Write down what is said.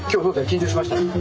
緊張しました？